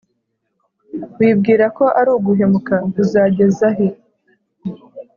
wibwira ko ari uguhemuka, uzageza he ?